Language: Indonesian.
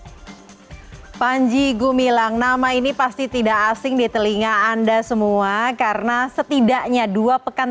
hai panji gumilang nama ini pasti tidak asing di telinga anda semua karena setidaknya dua pekan